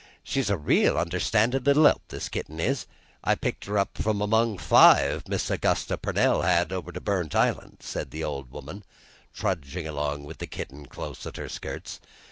She's a real understandin' little help, this kitten is. I picked her from among five Miss Augusta Pernell had over to Burnt Island," said the old woman, trudging along with the kitten close at her skirts.